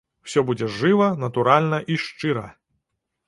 Усё будзе жыва, натуральна і шчыра!